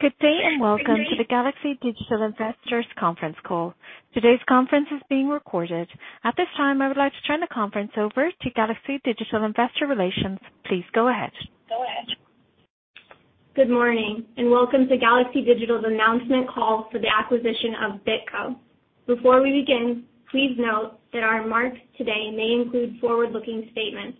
Good day and welcome to the Galaxy Digital Investors Conference Call. Today's conference is being recorded. At this time, I would like to turn the conference over to Galaxy Digital Investor Relations. Please go ahead. Go ahead. Good morning and welcome to Galaxy Digital's announcement call for the acquisition of BitGo. Before we begin, please note that our remarks today may include forward-looking statements.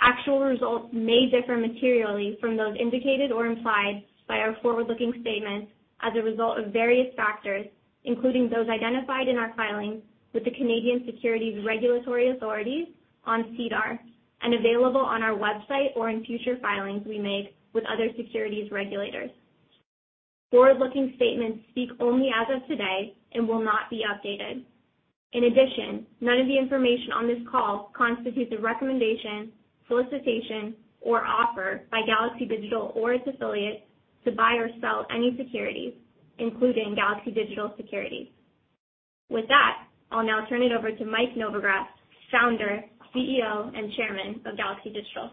Actual results may differ materially from those indicated or implied by our forward-looking statements as a result of various factors, including those identified in our filings with the Canadian Securities Administrators on CEDAR and available on our website or in future filings we make with other securities regulators. Forward-looking statements speak only as of today and will not be updated. In addition, none of the information on this call constitutes a recommendation, solicitation, or offer by Galaxy Digital or its affiliates to buy or sell any securities, including Galaxy Digital Securities. With that, I'll now turn it over to Mike Novogratz, Founder, CEO, and Chairman of Galaxy Digital.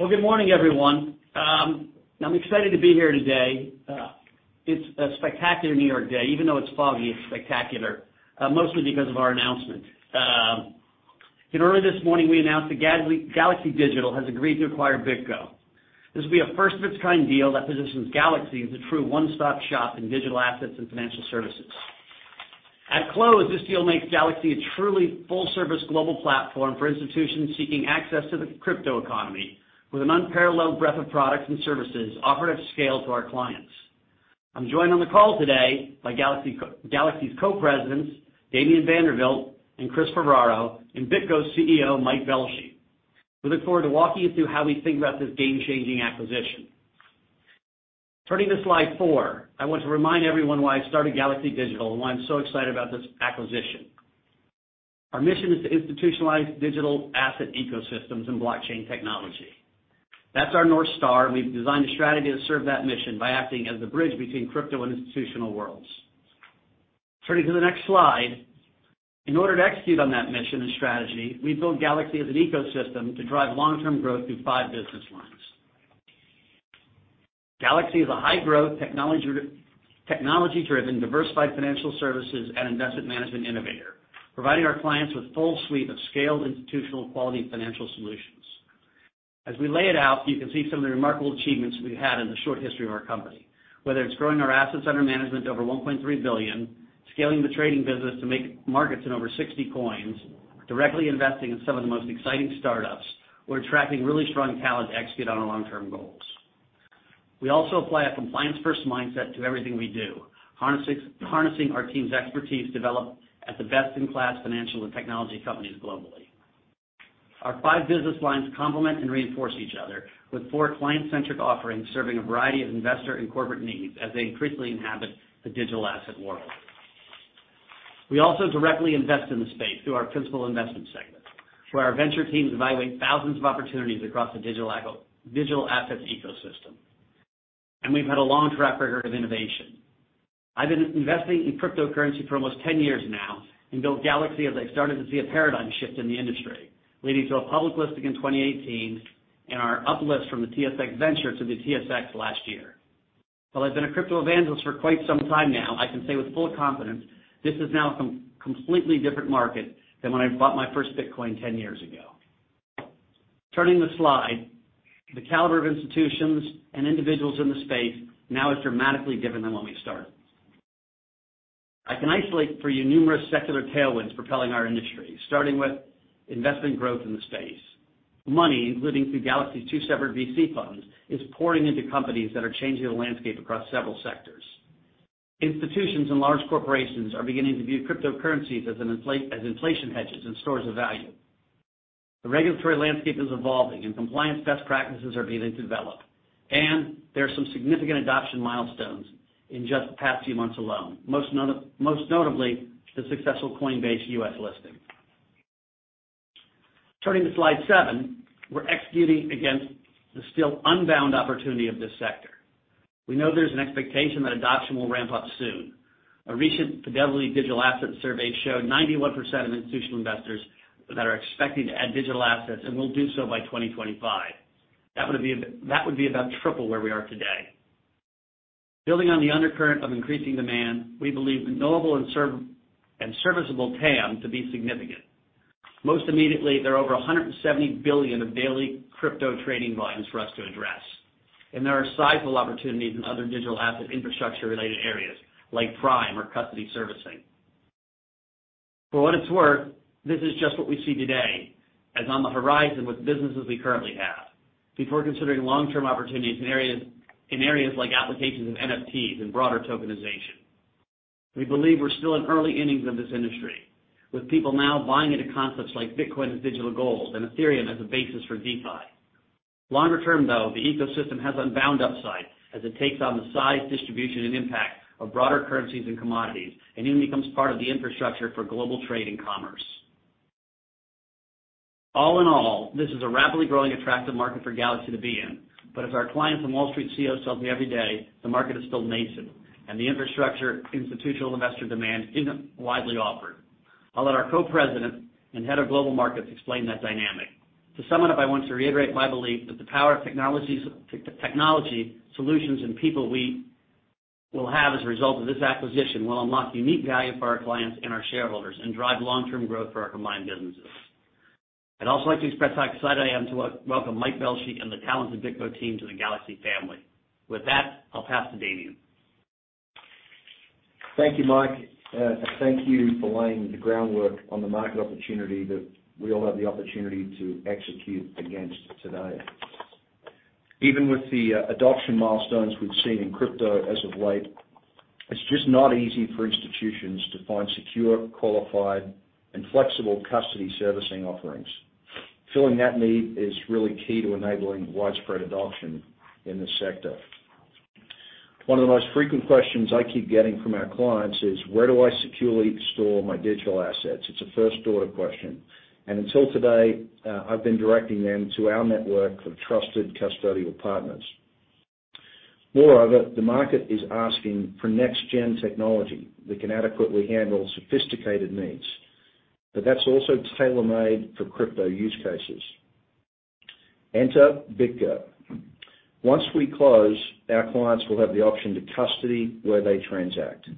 Well, good morning, everyone. I'm excited to be here today. It's a spectacular New York day. Even though it's foggy, it's spectacular, mostly because of our announcement. In early this morning, we announced that Galaxy Digital has agreed to acquire BitGo. This will be a first-of-its-kind deal that positions Galaxy as a true one-stop shop in digital assets and financial services. At close, this deal makes Galaxy a truly full-service global platform for institutions seeking access to the crypto economy, with an unparalleled breadth of products and services offered at scale to our clients. I'm joined on the call today by Galaxy's Co-Presidents, Damien Vanderwilt, and Chris Ferraro, and BitGo's CEO, Mike Belshe. We look forward to walking you through how we think about this game-changing acquisition. Turning to slide four, I want to remind everyone why I started Galaxy Digital and why I'm so excited about this acquisition. Our mission is to institutionalize digital asset ecosystems and blockchain technology. That's our North Star, and we've designed a strategy to serve that mission by acting as the bridge between crypto and institutional worlds. Turning to the next slide, in order to execute on that mission and strategy, we built Galaxy as an ecosystem to drive long-term growth through five business lines. Galaxy is a high-growth, technology-driven, diversified financial services and investment management innovator, providing our clients with a full suite of scaled institutional quality financial solutions. As we lay it out, you can see some of the remarkable achievements we've had in the short history of our company, whether it's growing our assets under management to over $1.3 billion, scaling the trading business to make markets in over 60 coins, directly investing in some of the most exciting startups, or attracting really strong talent to execute on our long-term goals. We also apply a compliance-first mindset to everything we do, harnessing our team's expertise developed at the best-in-class financial and technology companies globally. Our five business lines complement and reinforce each other with four client-centric offerings serving a variety of investor and corporate needs as they increasingly inhabit the digital asset world. We also directly invest in the space through our principal investment segment, where our venture teams evaluate thousands of opportunities across the digital assets ecosystem. And we've had a long track record of innovation. I've been investing in cryptocurrency for almost 10 years now and built Galaxy as I started to see a paradigm shift in the industry, leading to a public listing in 2018 and our uplist from the TSX Venture to the TSX last year. While I've been a crypto evangelist for quite some time now, I can say with full confidence this is now a completely different market than when I bought my first Bitcoin 10 years ago. Turning the slide, the caliber of institutions and individuals in the space now has dramatically given them when we started. I can isolate for you numerous secular tailwinds propelling our industry, starting with investment growth in the space. Money, including through Galaxy's two separate VC funds, is pouring into companies that are changing the landscape across several sectors. Institutions and large corporations are beginning to view cryptocurrencies as inflation hedges and stores of value. The regulatory landscape is evolving, and compliance best practices are beginning to develop. There are some significant adoption milestones in just the past few months alone, most notably the successful Coinbase U.S. listing. Turning to slide seven, we're executing against the still unbound opportunity of this sector. We know there's an expectation that adoption will ramp up soon. A recent Fidelity Digital Assets Survey showed 91% of institutional investors that are expecting to add digital assets and will do so by 2025. That would be about triple where we are today. Building on the undercurrent of increasing demand, we believe the knowable and serviceable TAM to be significant. Most immediately, there are over 170 billion of daily crypto trading volumes for us to address. There are sizable opportunities in other digital asset infrastructure-related areas like Prime or custody servicing. For what it's worth, this is just what we see today as on the horizon with businesses we currently have before considering long-term opportunities in areas like applications of NFTs and broader tokenization. We believe we're still in early innings of this industry, with people now buying into concepts like Bitcoin as digital gold and Ethereum as a basis for DeFi. Longer term, though, the ecosystem has unbound upside as it takes on the size, distribution, and impact of broader currencies and commodities and even becomes part of the infrastructure for global trade and commerce. All in all, this is a rapidly growing attractive market for Galaxy to be in. But as our clients and Wall Street CEOs tell me every day, the market is still nascent, and the infrastructure institutional investor demand isn't widely offered. I'll let our Co-President and Head of Global Markets explain that dynamic. To sum it up, I want to reiterate my belief that the power of technology solutions and people we will have as a result of this acquisition will unlock unique value for our clients and our shareholders and drive long-term growth for our combined businesses. I'd also like to express how excited I am to welcome Mike Belshe and the talented BitGo team to the Galaxy family. With that, I'll pass to Damien. Thank you, Mike. Thank you for laying the groundwork on the market opportunity that we all have the opportunity to execute against today. Even with the adoption milestones we've seen in crypto as of late, it's just not easy for institutions to find secure, qualified, and flexible custody servicing offerings. Filling that need is really key to enabling widespread adoption in this sector. One of the most frequent questions I keep getting from our clients is, "Where do I securely store my digital assets?" It's a first-order question, and until today, I've been directing them to our network of trusted custodial partners. Moreover, the market is asking for next-gen technology that can adequately handle sophisticated needs, but that's also tailor-made for crypto use cases. Enter BitGo. Once we close, our clients will have the option to custody where they transact,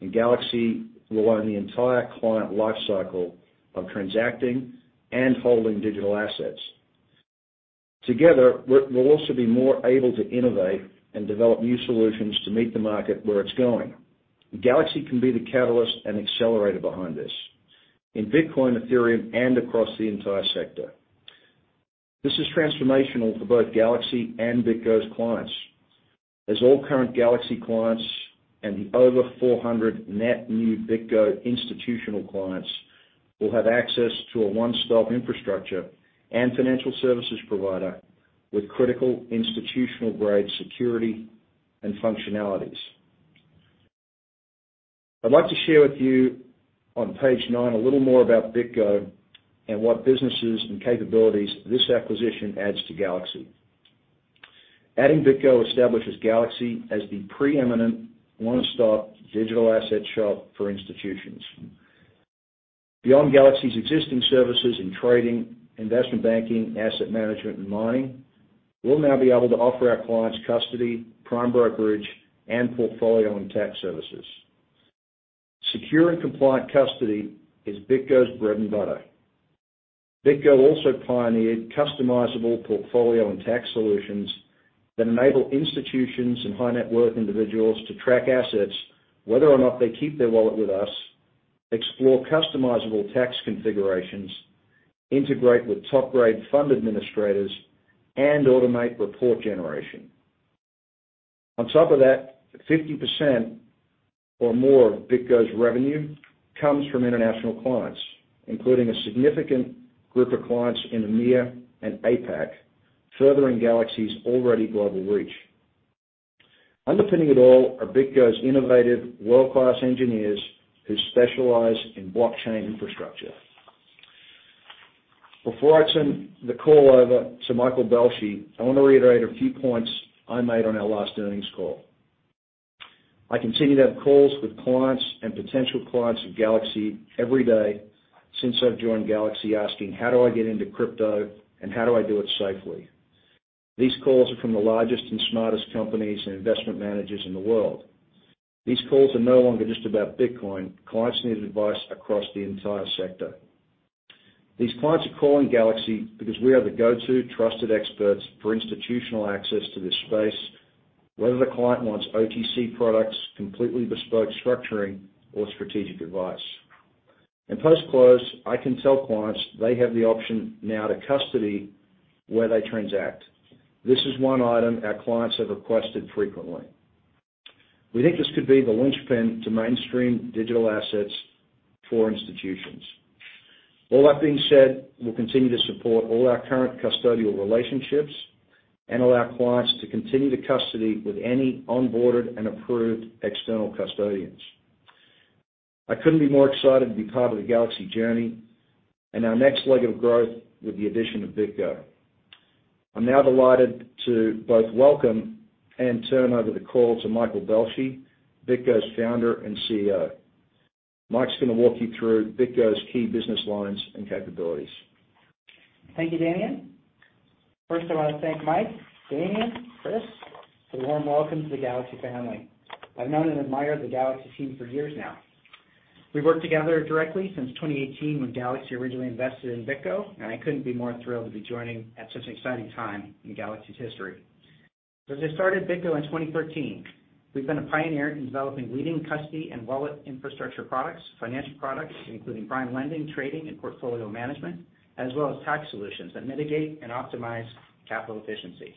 and Galaxy will own the entire client lifecycle of transacting and holding digital assets. Together, we'll also be more able to innovate and develop new solutions to meet the market where it's going. Galaxy can be the catalyst and accelerator behind this, in Bitcoin, Ethereum, and across the entire sector. This is transformational for both Galaxy and BitGo's clients, as all current Galaxy clients and the over 400 net new BitGo institutional clients will have access to a one-stop infrastructure and financial services provider with critical institutional-grade security and functionalities. I'd like to share with you on page nine a little more about BitGo and what businesses and capabilities this acquisition adds to Galaxy. Adding BitGo establishes Galaxy as the preeminent one-stop digital asset shop for institutions. Beyond Galaxy's existing services in trading, investment banking, asset management, and mining, we'll now be able to offer our clients custody, Prime Brokerage, and portfolio and tax services. Secure and compliant custody is BitGo's bread and butter. BitGo also pioneered customizable portfolio and tax solutions that enable institutions and high-net-worth individuals to track assets, whether or not they keep their wallet with us, explore customizable tax configurations, integrate with top-grade fund administrators, and automate report generation. On top of that, 50% or more of BitGo's revenue comes from international clients, including a significant group of clients in EMEA and APAC, furthering Galaxy's already global reach. Underpinning it all are BitGo's innovative, world-class engineers who specialize in blockchain infrastructure. Before I turn the call over to Mike Belshe, I want to reiterate a few points I made on our last earnings call. I continue to have calls with clients and potential clients of Galaxy every day since I've joined Galaxy asking, "How do I get into crypto and how do I do it safely?" These calls are from the largest and smartest companies and investment managers in the world. These calls are no longer just about Bitcoin. Clients need advice across the entire sector. These clients are calling Galaxy because we are the go-to trusted experts for institutional access to this space, whether the client wants OTC products, completely bespoke structuring, or strategic advice, and post-close, I can tell clients they have the option now to custody where they transact. This is one item our clients have requested frequently. We think this could be the linchpin to mainstream digital assets for institutions. All that being said, we'll continue to support all our current custodial relationships and allow clients to continue to custody with any onboarded and approved external custodians. I couldn't be more excited to be part of the Galaxy journey and our next leg of growth with the addition of BitGo. I'm now delighted to both welcome and turn over the call to Mike Belshe, BitGo's founder and CEO. Mike's going to walk you through BitGo's key business lines and capabilities. Thank you, Damien. First, I want to thank Mike, Damien, Chris, for the warm welcome to the Galaxy family. I've known and admired the Galaxy team for years now. We've worked together directly since 2018 when Galaxy originally invested in BitGo, and I couldn't be more thrilled to be joining at such an exciting time in Galaxy's history. Since I started BitGo in 2013, we've been a pioneer in developing leading custody and wallet infrastructure products, financial products, including Prime lending, trading, and portfolio management, as well as tax solutions that mitigate and optimize capital efficiency.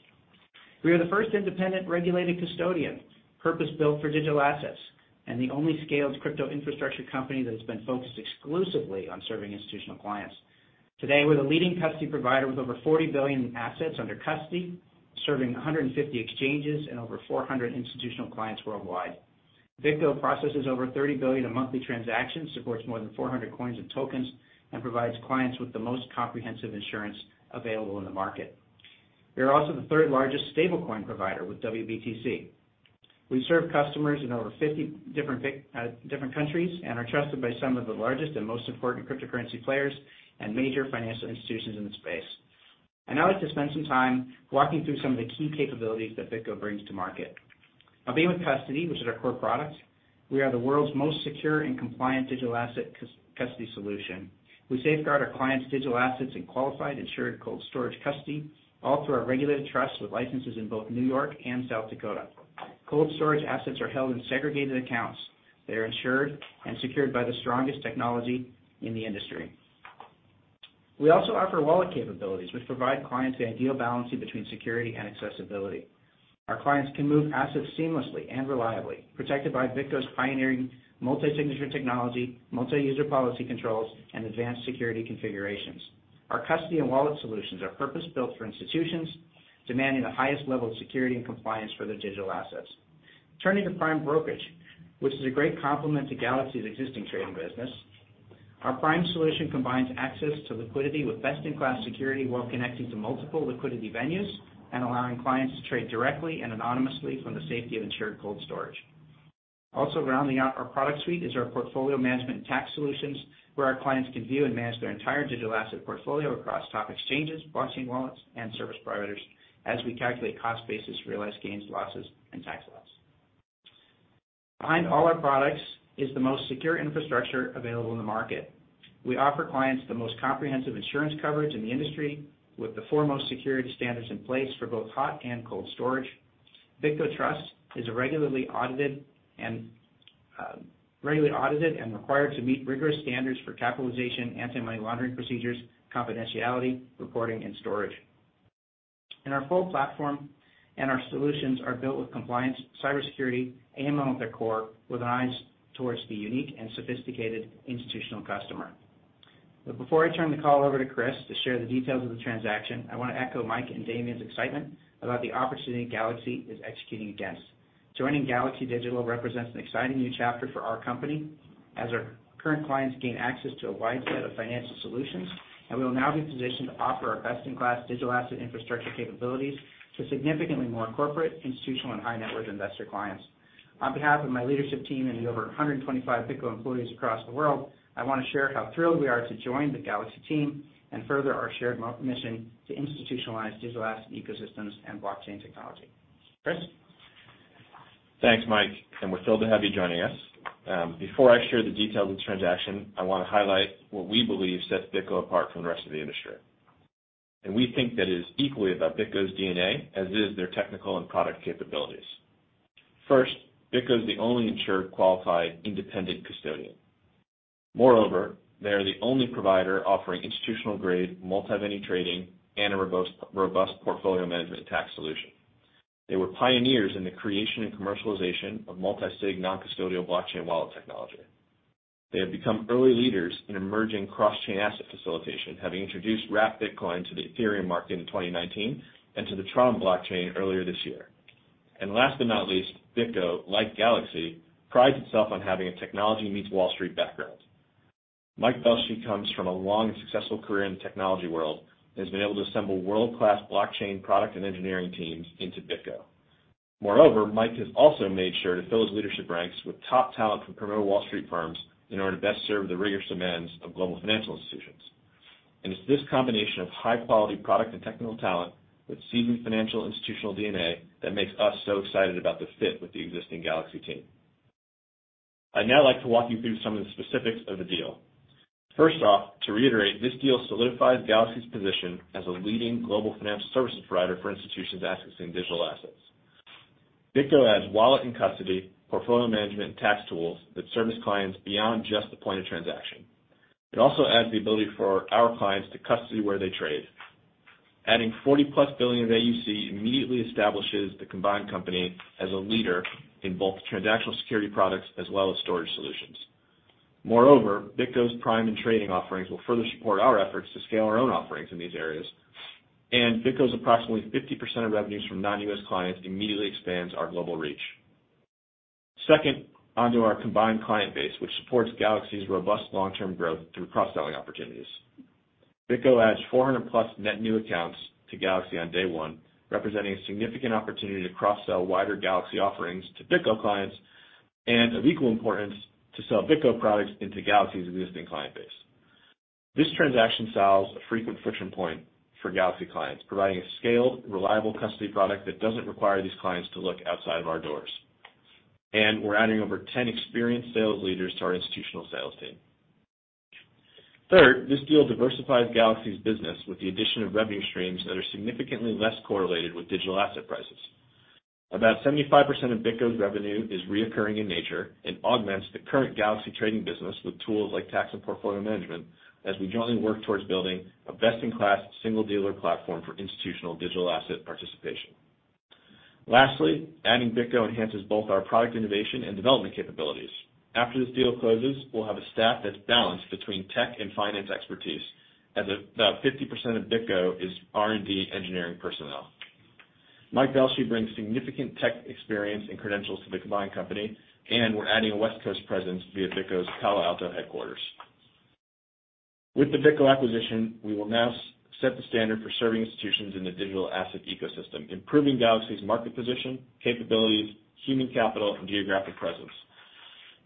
We are the first independent regulated custodian, purpose-built for digital assets, and the only scaled crypto infrastructure company that has been focused exclusively on serving institutional clients. Today, we're the leading custody provider with over $40 billion in assets under custody, serving 150 exchanges and over 400 institutional clients worldwide. BitGo processes over $30 billion of monthly transactions, supports more than 400 coins and tokens, and provides clients with the most comprehensive insurance available in the market. We are also the third-largest stablecoin provider with WBTC. We serve customers in over 50 different countries and are trusted by some of the largest and most important cryptocurrency players and major financial institutions in the space, and I'd like to spend some time walking through some of the key capabilities that BitGo brings to market. I'll begin with custody, which is our core product. We are the world's most secure and compliant digital asset custody solution. We safeguard our clients' digital assets in qualified, insured cold storage custody all through our regulated trusts with licenses in both New York and South Dakota. Cold storage assets are held in segregated accounts. They are insured and secured by the strongest technology in the industry. We also offer wallet capabilities, which provide clients the ideal balancing between security and accessibility. Our clients can move assets seamlessly and reliably, protected by BitGo's pioneering multi-signature technology, multi-user policy controls, and advanced security configurations. Our custody and wallet solutions are purpose-built for institutions demanding the highest level of security and compliance for their digital assets. Turning to Prime Brokerage, which is a great complement to Galaxy's existing trading business, our Prime solution combines access to liquidity with best-in-class security while connecting to multiple liquidity venues and allowing clients to trade directly and anonymously from the safety of insured cold storage. Also rounding out our product suite is our portfolio management and tax solutions, where our clients can view and manage their entire digital asset portfolio across top exchanges, blockchain wallets, and service providers as we calculate cost basis, realized gains, losses, and tax loss. Behind all our products is the most secure infrastructure available in the market. We offer clients the most comprehensive insurance coverage in the industry with the foremost security standards in place for both hot and cold storage. BitGo Trust is regularly audited and required to meet rigorous standards for capitalization, anti-money laundering procedures, confidentiality, reporting, and storage. In our full platform, our solutions are built with compliance, cybersecurity, and monitoring core with an eye towards the unique and sophisticated institutional customer. But before I turn the call over to Chris to share the details of the transaction, I want to echo Mike and Damien's excitement about the opportunity Galaxy is executing against. Joining Galaxy Digital represents an exciting new chapter for our company as our current clients gain access to a wide set of financial solutions, and we will now be positioned to offer our best-in-class digital asset infrastructure capabilities to significantly more corporate, institutional, and high-net-worth investor clients. On behalf of my leadership team and the over 125 BitGo employees across the world, I want to share how thrilled we are to join the Galaxy team and further our shared mission to institutionalize digital asset ecosystems and blockchain technology. Chris? Thanks, Mike. And we're thrilled to have you joining us. Before I share the details of the transaction, I want to highlight what we believe sets BitGo apart from the rest of the industry. And we think that it is equally about BitGo's DNA as it is their technical and product capabilities. First, BitGo is the only insured qualified independent custodian. Moreover, they are the only provider offering institutional-grade, multi-venue trading, and a robust portfolio management tax solution. They were pioneers in the creation and commercialization of multi-sig non-custodial blockchain wallet technology. They have become early leaders in emerging cross-chain asset facilitation, having introduced Wrapped Bitcoin to the Ethereum market in 2019 and to the Tron blockchain earlier this year. And last but not least, BitGo, like Galaxy, prides itself on having a technology-meets-Wall Street background. Mike Belshe comes from a long and successful career in the technology world and has been able to assemble world-class blockchain product and engineering teams into BitGo. Moreover, Mike has also made sure to fill his leadership ranks with top talent from premier Wall Street firms in order to best serve the rigorous demands of global financial institutions, and it's this combination of high-quality product and technical talent with seasoned financial institutional DNA that makes us so excited about the fit with the existing Galaxy team. I'd now like to walk you through some of the specifics of the deal. First off, to reiterate, this deal solidifies Galaxy's position as a leading global financial services provider for institutions accessing digital assets. BitGo adds wallet and custody, portfolio management, and tax tools that service clients beyond just the point of transaction. It also adds the ability for our clients to custody where they trade. Adding 40+ billion of AUC immediately establishes the combined company as a leader in both transactional security products as well as storage solutions. Moreover, BitGo's Prime and trading offerings will further support our efforts to scale our own offerings in these areas, and BitGo's approximately 50% of revenues from non-U.S. clients immediately expands our global reach. Second, onto our combined client base, which supports Galaxy's robust long-term growth through cross-selling opportunities. BitGo adds 400+net new accounts to Galaxy on day one, representing a significant opportunity to cross-sell wider Galaxy offerings to BitGo clients and of equal importance to sell BitGo products into Galaxy's existing client base. This transaction solves a frequent friction point for Galaxy clients, providing a scaled, reliable custody product that doesn't require these clients to look outside of our doors. And we're adding over 10 experienced sales leaders to our institutional sales team. Third, this deal diversifies Galaxy's business with the addition of revenue streams that are significantly less correlated with digital asset prices. About 75% of BitGo's revenue is recurring in nature and augments the current Galaxy trading business with tools like tax and portfolio management as we jointly work towards building a best-in-class single dealer platform for institutional digital asset participation. Lastly, adding BitGo enhances both our product innovation and development capabilities. After this deal closes, we'll have a staff that's balanced between tech and finance expertise as about 50% of BitGo is R&D engineering personnel. Mike Belshe brings significant tech experience and credentials to the combined company, and we're adding a West Coast presence via BitGo's Palo Alto headquarters. With the BitGo acquisition, we will now set the standard for serving institutions in the digital asset ecosystem, improving Galaxy's market position, capabilities, human capital, and geographic presence.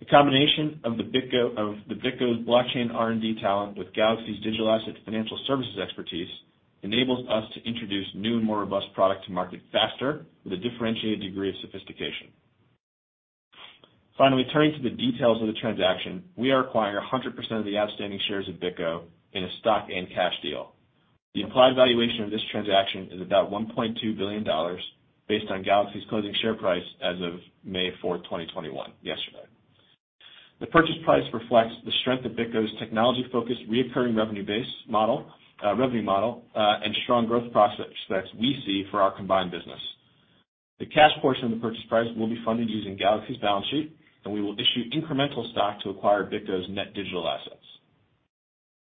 The combination of BitGo's blockchain R&D talent with Galaxy's digital asset financial services expertise enables us to introduce new and more robust product to market faster with a differentiated degree of sophistication. Finally, turning to the details of the transaction, we are acquiring 100% of the outstanding shares of BitGo in a stock and cash deal. The implied valuation of this transaction is about $1.2 billion based on Galaxy's closing share price as of May 4, 2021, yesterday. The purchase price reflects the strength of BitGo's technology-focused recurring revenue base and strong growth prospects we see for our combined business. The cash portion of the purchase price will be funded using Galaxy's balance sheet, and we will issue incremental stock to acquire BitGo's net digital assets.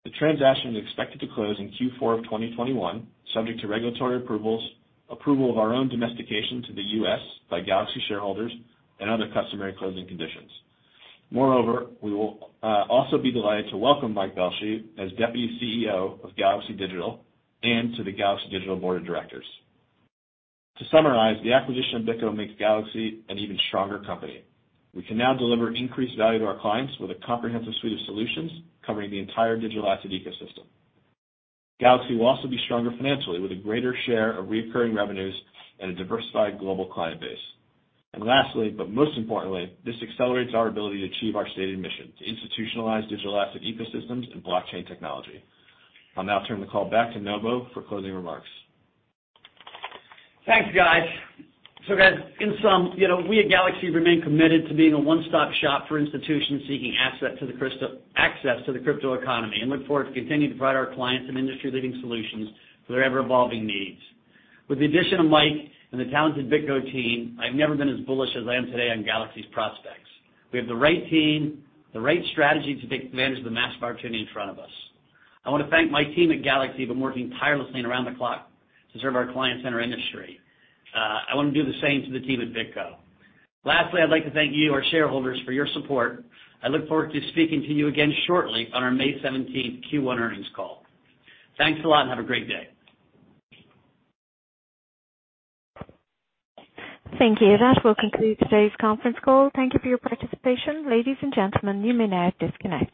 The transaction is expected to close in Q4 of 2021, subject to regulatory approvals of our own domestication to the U.S. by Galaxy shareholders and other customary closing conditions. Moreover, we will also be delighted to welcome Mike Belshe as Deputy CEO of Galaxy Digital and to the Galaxy Digital Board of Directors. To summarize, the acquisition of BitGo makes Galaxy an even stronger company. We can now deliver increased value to our clients with a comprehensive suite of solutions covering the entire digital asset ecosystem. Galaxy will also be stronger financially with a greater share of recurring revenues and a diversified global client base. Lastly, but most importantly, this accelerates our ability to achieve our stated mission, to institutionalize digital asset ecosystems and blockchain technology. I'll now turn the call back to Novo for closing remarks. Thanks, guys. So guys, in sum, we at Galaxy remain committed to being a one-stop shop for institutions seeking access to the crypto economy and look forward to continuing to provide our clients and industry-leading solutions for their ever-evolving needs. With the addition of Mike and the talented BitGo team, I've never been as bullish as I am today on Galaxy's prospects. We have the right team, the right strategy to take advantage of the massive opportunity in front of us. I want to thank my team at Galaxy for working tirelessly and around the clock to serve our clients and our industry. I want to do the same to the team at BitGo. Lastly, I'd like to thank you, our shareholders, for your support. I look forward to speaking to you again shortly on our May 17th Q1 earnings call. Thanks a lot and have a great day. Thank you. That will conclude today's conference call. Thank you for your participation. Ladies and gentlemen, you may now disconnect.